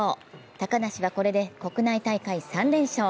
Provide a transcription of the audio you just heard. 高梨はこれで国内大会３連勝。